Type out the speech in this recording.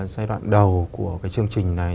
giai đoạn đầu của chương trình này